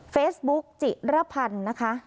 เฟซบุ๊กจิระพันธ์นะคะ